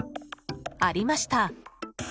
ありました。